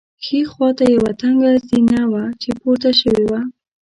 ښي خوا ته یوه تنګه زینه وه چې پورته شوې وه.